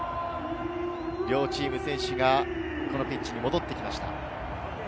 両チーム、選手がピッチに戻ってきました。